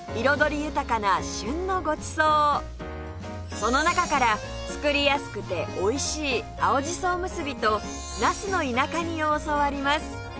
その中から作りやすくておいしい青じそおむすびとなすの田舎煮を教わります